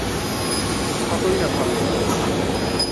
কতই না ভালো হতো।